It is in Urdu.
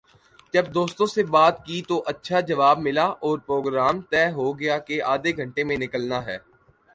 جب دوستوں سے بات کی تو اچھا جواب ملا اور پروگرام طے ہو گیا کہ آدھےگھنٹے میں نکلنا ہے ۔